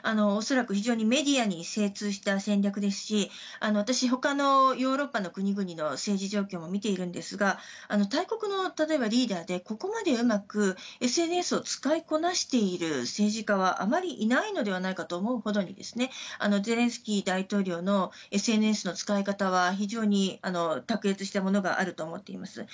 恐らく非常にメディアに精通した戦略ですし私、ほかのヨーロッパの国々の政治状況も見ているんですが大国のリーダーでここまでうまくＳＮＳを使いこなしているリーダーはあまりいないのではないかと思うほどにゼレンスキー大統領のＳＮＳの使い方は非常に卓越したものがあると思っています。